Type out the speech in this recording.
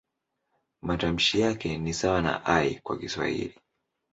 Matamshi yake ni sawa na "i" kwa Kiswahili.